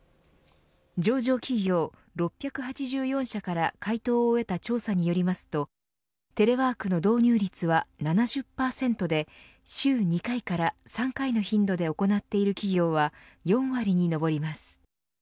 上場企業６８４社から回答を得た調査によりますとテレワークの導入率は７０％で週２回から３回の頻度で行っている企業は４割に上ります。